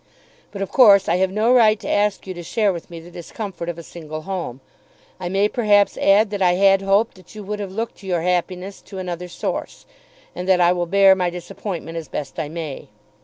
But of course I have no right to ask you to share with me the discomfort of a single home. I may perhaps add that I had hoped that you would have looked to your happiness to another source, and that I will bear my disappointment as best I may.